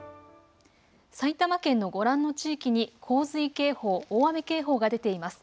埼玉県のご覧の地域に洪水警報、大雨警報が出ています。